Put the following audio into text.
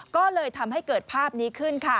ก็เลยทำให้เกิดภาพนี้ขึ้นค่ะ